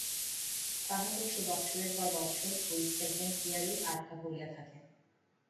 কাঁহাতক সে বৎসরের পর বৎসর ঐ সেকেণ্ড ইয়ারেই আটকা পড়িয়া থাকে।